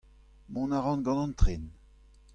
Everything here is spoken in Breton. Mont a ran gant an tren.